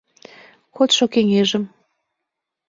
КОДШО КЕҤЕЖЫМ